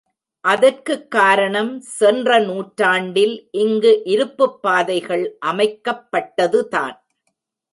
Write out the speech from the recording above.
அதற்குக் காரணம் சென்ற நூற்றாண்டில் இங்கு இருப்புப்பாதைகள் அமைக்கப்பட்டதுதான்.